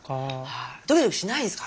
ドキドキしないですか？